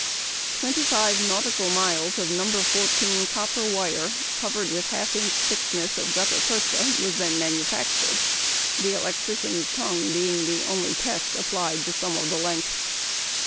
Twenty five nautical miles of No. 14 copper wire covered with 1/2 inch thickness of gutta percha was then manufactured, the electrician's tongue being the only test applied to some of the lengths.